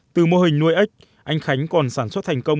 từ mô hình nuôi ếch anh khánh còn sản xuất thành công